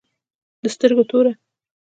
د سترگو توره